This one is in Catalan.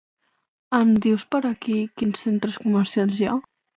Em dius per aquí quins centres comercials hi ha?